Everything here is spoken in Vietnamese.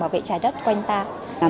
bảo vệ trái đất quanh ta